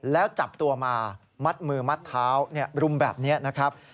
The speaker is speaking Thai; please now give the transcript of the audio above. แล้วจับตัวมามัดมือมัดเท้ารุมแบบนี้นะครับ